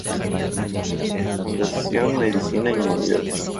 Fundación Medicina y Humanidades.